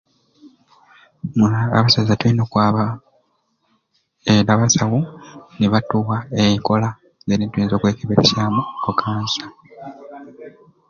Hmmm abasaiza tulina okwaba edi abasawu nibatuwa enkola engeri jetuyinza okwekeberesyamu okansa.